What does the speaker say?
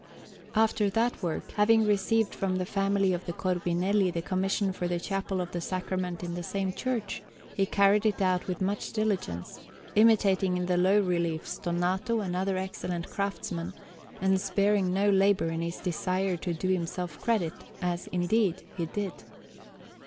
After that work, having received from the family of the Corbinelli the commission for the Chapel of the Sacrament in the same church, he carried it out with much diligence, imitating in the low reliefs Donato and other excellent craftsmen, and sparing no labour in his desire to do himself credit, as, indeed, he did.